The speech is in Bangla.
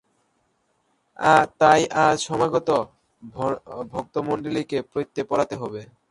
তাই আজ সমাগত ভক্তমণ্ডলীকে পৈতে পরাতে হবে।